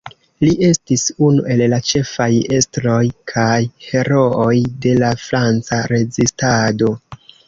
Li estis unu el la ĉefaj estroj kaj herooj de la Franca rezistado.